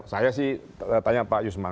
saya sih tanya pak yusman